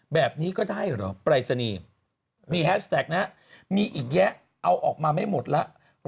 แบบนี้ก็ได้เหรอปรายศนีย์มีแฮชแท็กนะมีอีกแยะเอาออกมาไม่หมดแล้ว